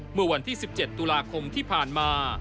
เมื่อวันที่๑๗ตุลาคมที่ผ่านมา